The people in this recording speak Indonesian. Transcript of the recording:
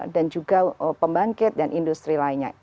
dan juga pembangkit dan industri lainnya